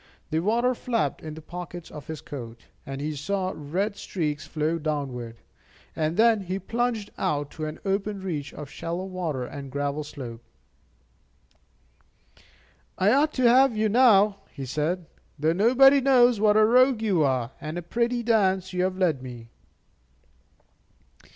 The water flapped into the pockets of his coat, and he saw red streaks flow downward. And then he plunged out to an open reach of shallow water and gravel slope. "I ought to have you now," he said, "though nobody knows what a rogue you are; and a pretty dance you have led me!"